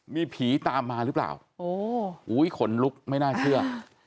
มีผีตามมาหรือเปล่าอุ้ยขนลุกไม่น่าเชื่อ